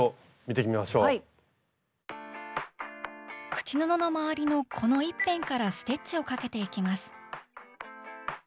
口布の周りのこの１辺からステッチをかけていきます。